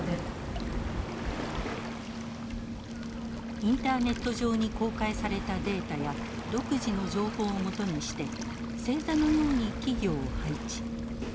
インターネット上に公開されたデータや独自の情報をもとにして星座のように企業を配置。